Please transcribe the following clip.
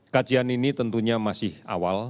kajian ini tentunya masih awal